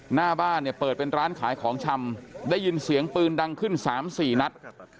หน้าบ้านเนี่ยเปิดเป็นร้านขายของชำได้ยินเสียงปืนดังขึ้น๓๔นัด